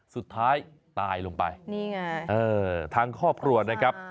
สุดท้ายตายลงไปนี่ไงเออทางครอบครัวนะครับ